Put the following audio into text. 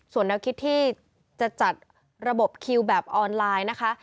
ส่วนแนวคิดที่จะจัดระบบคิวแบบออนไลน์นะคะ